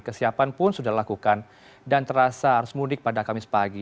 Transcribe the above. kesiapan pun sudah dilakukan dan terasa arus mudik pada kamis pagi